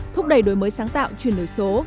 thúc đẩy đối mới sáng tạo chuyển đổi số